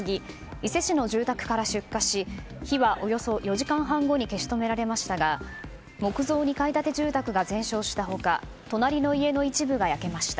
伊勢市の住宅から出火し火はおよそ４時間半後に消し止められましたが木造２階建て住宅が全焼した他隣の家の一部が焼けました。